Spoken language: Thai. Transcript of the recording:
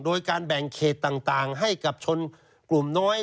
โดยการแบ่งเขตต่างให้กับชนกลุ่มน้อย